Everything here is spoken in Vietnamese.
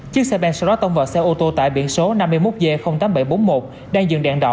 chiếc xe ben sau đó tông vào xe ô tô tải biển số năm mươi một g tám nghìn bảy trăm bốn mươi một đang dừng đèn đỏ